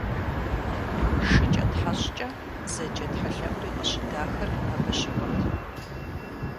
ШыкӀэтхьэщӀкӀэ зэджэ тхьэлъэӀури къыщыдахыр абы щыгъуэт.